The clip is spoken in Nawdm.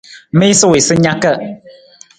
Miisa wii sa naka.